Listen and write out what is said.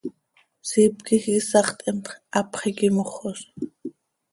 Siip quij iisax theemt, hapx iiqui mojoz.